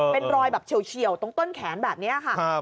เป็นรอยแบบเฉียวตรงต้นแขนแบบนี้ค่ะ